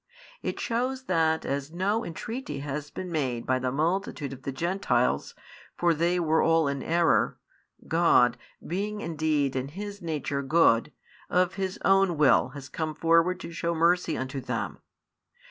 It shows that as no intreaty has been made by the multitude of the Gentiles, for they were all in error, God, being indeed in His nature good, of His own will has come forward to shew mercy unto them.